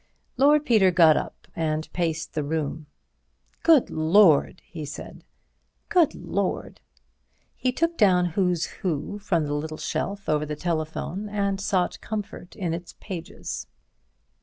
Lord Peter got up and paced the room: "Good Lord!" he said. "Good Lord!" He took down "Who's Who" from the little shelf over the telephone, and sought comfort in its pages.